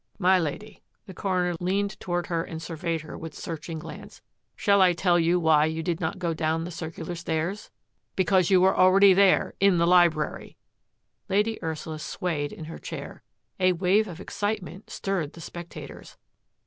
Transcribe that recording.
" My Lady," the coroner leaned toward her and surveyed her with searching glance, " shall I tell you why you did not go down the circular stairs? Because you were already there — in the library !" Lady Ursula swayed in her chair. A wave of excitement stirred the spectators.